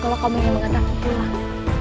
kalau kamu ingin mengantar aku pulang